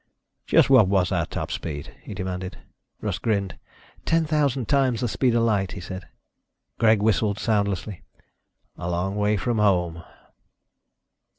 "Just what was our top speed?" he demanded. Russ grinned. "Ten thousand times the speed of light," he said. Greg whistled soundlessly. "A long way from home."